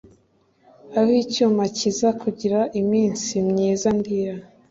aho icyuma kizakugira iminsi myiza ndira